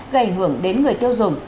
gây ảnh hưởng đến người tiêu dùng